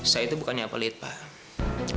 saya itu bukannya pelit pak